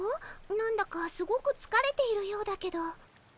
何だかすごくつかれているようだけど。